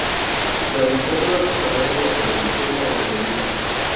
Realizó toda su carrera en la televisión para Televisa.